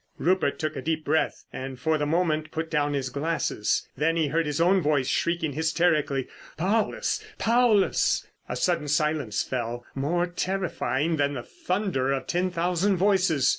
Rupert took a deep breath, and for the moment put down his glasses. Then he heard his own voice shrieking hysterically, "Paulus! Paulus!" A sudden silence fell, more terrifying than the thunder of ten thousand voices.